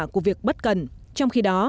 của việc bất cần trong khi đó